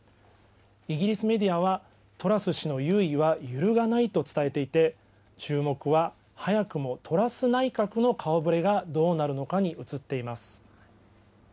イギリスメディアはトラス氏の優位は揺るがないと伝えていて、注目は早くもトラス内閣の顔ぶれがどうなるのかに移っています。